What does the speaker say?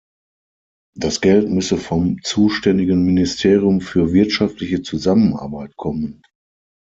Das Geld müsse vom zuständigen Ministerium für wirtschaftliche Zusammenarbeit kommen.